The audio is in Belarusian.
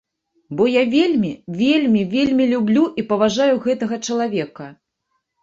Бо я вельмі, вельмі, вельмі люблю і паважаю гэтага чалавека.